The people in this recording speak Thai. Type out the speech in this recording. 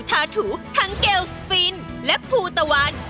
ทางเกลช์ฟิลล์และพูตาวัน